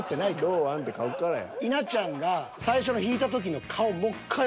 「堂安」って書くからや。